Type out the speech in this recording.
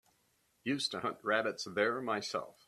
Used to hunt rabbits there myself.